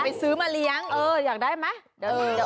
ไม่ค่อยไม่ค่อยอยากอยู่ด้วย